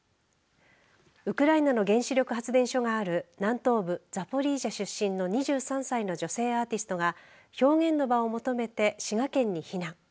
ウクライナの原子力発電所がある南東部サポリージャ出身の２３歳の女性アーティストが表現の場を求めて滋賀県に避難。